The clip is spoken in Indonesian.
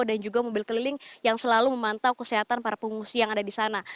dan juga mobil keliling yang selalu memantau kesehatan para pengusia yang ada di sana